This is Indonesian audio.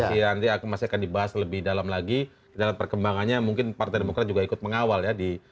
nanti akan dibahas lebih dalam lagi dalam perkembangannya mungkin partai demokrat juga ikut mengawal ya